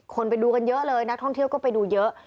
ไปดูกันเยอะเลยนักท่องเที่ยวก็ไปดูเยอะ